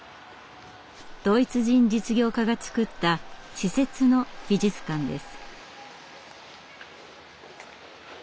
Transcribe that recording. ドイツ人実業家が造った私設の美術館です。